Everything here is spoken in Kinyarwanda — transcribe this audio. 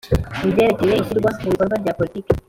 Mu byerekeye ishyirwa mu bikorwa rya politiki